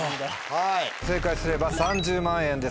正解すれば３０万円です